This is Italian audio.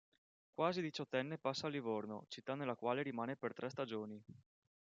Quasi diciottenne passa al Livorno, città nella quale rimane per tre stagioni.